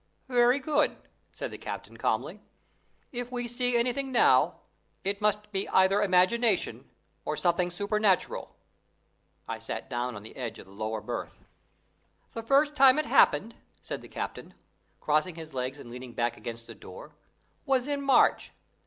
"Very good," said the captain, calmly. "If we see anything now, it must be either imagination or something supernatural." I sat down on the edge of the lower berth. "The first time it happened," said the captain, crossing his legs and leaning back against the door, "was in March.